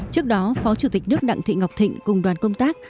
trước đó phó chủ tịch nước đặng thị ngọc thịnh cùng đoàn công tác